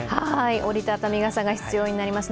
折り畳み傘が必要になります。